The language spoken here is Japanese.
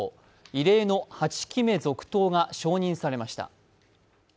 異例の８期目続投が承認されました。